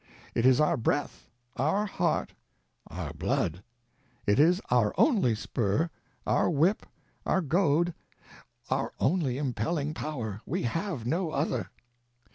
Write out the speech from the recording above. It is our breath, our heart, our blood. It is our only spur, our whip, our goad, our only impelling power; we have no other.